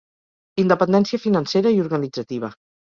Independència financera i organitzativa.